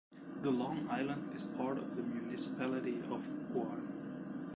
The long island is part of the municipality of Guiuan.